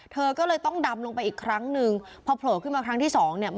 เธอก็เลยต้องดำลงไปอีกครั้งนึงพอโผล่ขึ้นมาครั้งที่สองเนี่ย